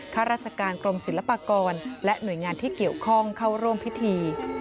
ข้าราชการกรมศิลปากรและหน่วยงานที่เกี่ยวข้องเข้าร่วมพิธี